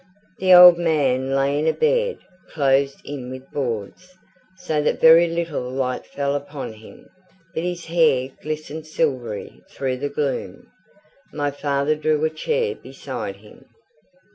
The old man lay in a bed closed in with boards, so that very little light fell upon him; but his hair glistened silvery through the gloom. My father drew a chair beside him.